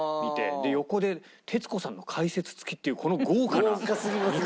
で横で徹子さんの解説付きっていうこの豪華な見方。